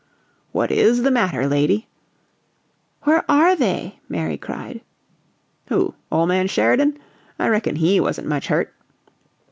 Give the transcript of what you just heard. "What IS the matter, lady?" "Where are they?" Mary cried. "Who? Ole man Sheridan? I reckon HE wasn't much hurt!"